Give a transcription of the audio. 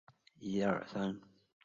观众不一定会联想。